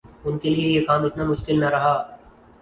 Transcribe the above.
ان کیلئے یہ کام اتنا مشکل نہ رہا۔